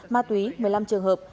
ma túy một mươi năm trường hợp